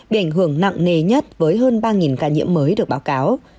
bị ảnh hưởng nặng nề nhất với hơn ba ca nhiễm mới được báo cáo